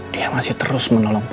dia masih terus menolong